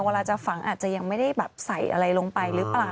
เวลาจะฝังอาจจะยังไม่ได้แบบใส่อะไรลงไปหรือเปล่า